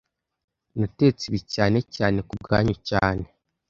Natetse ibi cyane cyane kubwanyu cyane